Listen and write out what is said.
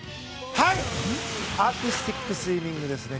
アーティスティックスイミングですね。